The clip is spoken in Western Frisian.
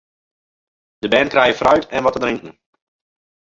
De bern krije fruit en wat te drinken.